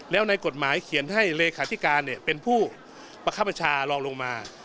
แล้วในกฎหมายเขียนให้เลขาธิการเป็นผู้ประคับประชาลองลงมา